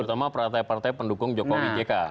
terutama partai partai pendukung jokowi jk